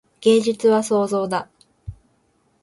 芸術は創造だ。